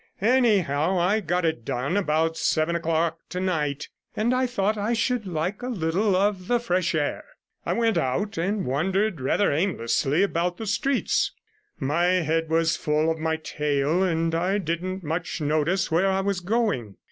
Anyhow, I got it done about seven o'clock tonight, and I thought I should like a little of the fresh air. I went out and wandered rather aimlessly about the streets; my head was full of my tale, and I didn't much notice where I was going.